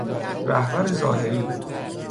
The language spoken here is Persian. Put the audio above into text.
رهبر ظاهری